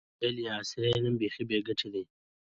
ویل یې عصري علم بیخي بې ګټې دی.